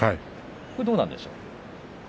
どうなんでしょう？